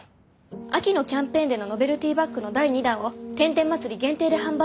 秋のキャンペーンでのノベルティバッグの第二弾を天天祭り限定で販売予定です。